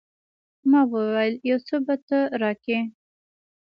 ما وويل يو څه به ته راکې.